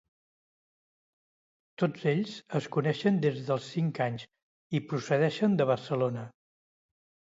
Tots ells es coneixen des dels cinc anys i procedeixen de Barcelona.